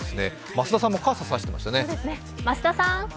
増田さんも傘を差していましたね。